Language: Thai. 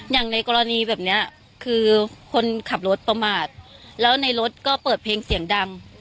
อย่างในกรณีแบบนี้คือคนขับรถประมาทแล้วในรถก็เปิดเพลงเสียงดัง